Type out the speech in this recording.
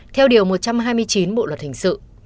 theo điều một trăm hai mươi chín bộ luật hình sự